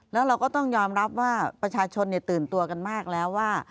แล้วเราก็ต้องยอมรับว่าประชาชนตื่นตัวกันมากแล้วว่า